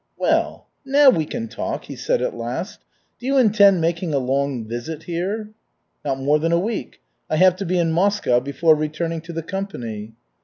"Well, now we can talk," he said at last. "Do you intend making a long visit here?" "Not more than a week. I have to be in Moscow before returning to the company."